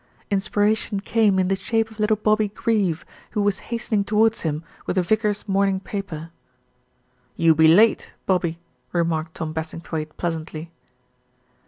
Inspiration came in the shape of little Bobby Greeve, who was hastening towards him with the vicar's morn ing paper. "You be late, Bobby," remarked Tom Bassing thwaighte pleasantly.